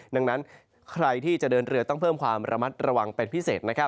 ดังนั้นใครที่จะเดินเรือต้องเพิ่มความระมัดระวังเป็นพิเศษ